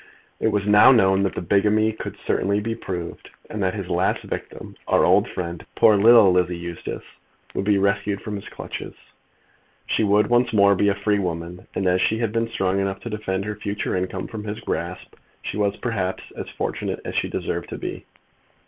It was now known that the bigamy could be certainly proved, and that his last victim, our old friend, poor little Lizzie Eustace, would be rescued from his clutches. She would once more be a free woman, and as she had been strong enough to defend her future income from his grasp, she was perhaps as fortunate as she deserved to be.